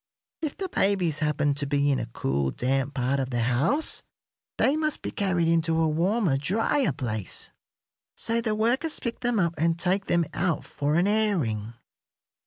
If the babies happen to be in a cool, damp part of the house they must be carried into a warmer, drier place. So the workers pick them up and take them out for an airing.